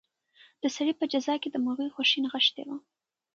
د سړي په جزا کې د مرغۍ خوښي نغښتې وه.